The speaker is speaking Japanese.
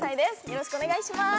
よろしくお願いします